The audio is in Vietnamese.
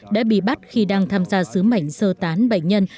đã bị bắt khi đang tham gia sứ mệnh sơ tán bệnh nhân